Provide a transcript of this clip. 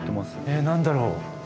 え何だろう？